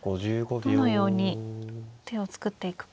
どのように手を作っていくか。